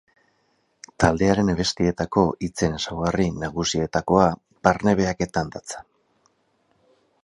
Taldearen abestietako hitzen ezaugarri nagusietakoa barne-behaketan datza.